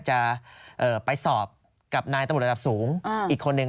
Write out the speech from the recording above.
จะไปสอบกับนายตำรวจระดับสูงอีกคนนึง